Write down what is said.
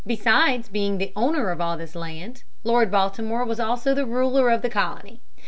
Beside being the owner of all this land, Lord Baltimore was also the ruler of the colony.